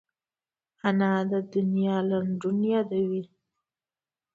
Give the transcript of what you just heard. انا د دنیا لنډون یادوي